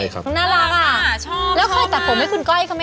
ก้าวเบื้องก้าว